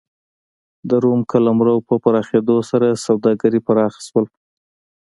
د روم قلمرو په پراخېدو سره سوداګري پراخ شول